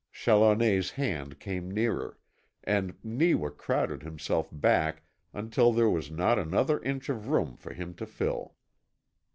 Challoner's hand came nearer, and Neewa crowded himself back until there was not another inch of room for him to fill.